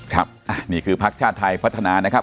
ครับนี่คือภาคชาติไทยปัฏษณานะครับ